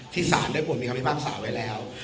สารได้ปวดมีคำพิพากษาไว้แล้ว